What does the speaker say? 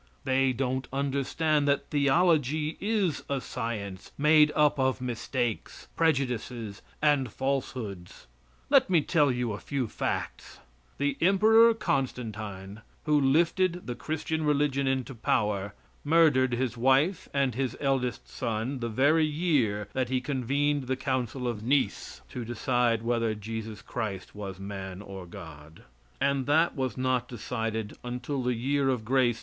They don't understand that theology is a science made up of mistakes, prejudices and falsehoods. Let me tell you a few facts: The Emperor Constantine, who lifted the Christian religion into power, murdered his wife and his eldest son the very year that he convened the Council of Nice to decide whether Jesus Christ was man or God; and that was not decided until the year of grace 325.